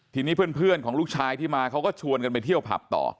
ทีนี้เพื่อนของลูกชายที่มาเขาก็ชวนกันไปเที่ยวผับต่อ